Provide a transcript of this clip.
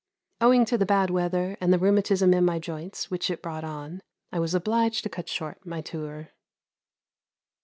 Owing to the bad weather, and the rheumatism in my joints which it brought on, I was obliged to cut short my tour.